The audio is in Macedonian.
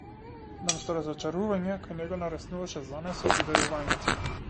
Наместо разочарување, кај него нараснуваше занесот и верувањето.